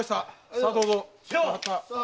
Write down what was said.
さあどうぞ。